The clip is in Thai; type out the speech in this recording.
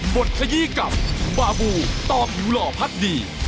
ดขยี้กับบาบูต่อผิวหล่อพักดี